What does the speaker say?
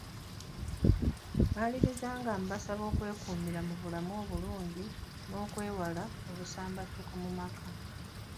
Mmaliriza nga mbasaba okwekuumira mu bulamu obulungi n'okwewala obusambattuko mu maka.